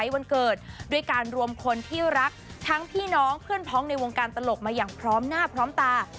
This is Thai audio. วันเกิดด้วยการรวมคนที่รักทั้งพี่น้องเพื่อนพ้องในวงการตลกมาอย่างพร้อมหน้าพร้อมตา